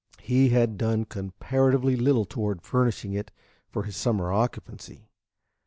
He had done comparatively little toward furnishing it for his summer occupancy.